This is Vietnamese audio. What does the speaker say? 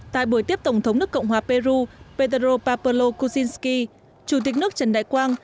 tại buổi tiếp tổng thống nước cộng hòa peru pedro pablo kuczynski chủ tịch nước trần đại quang